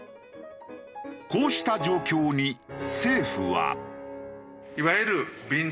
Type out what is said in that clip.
こうした状況に政府は。